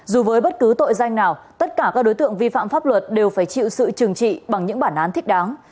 dù với bất cứ tội danh nào tất cả các đối tượng vi phạm pháp luật đều phải chịu sự trừng trị bằng những bản án thích đáng